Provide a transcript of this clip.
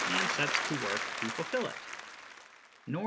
9 and sets to work to fulfil it. IS or is.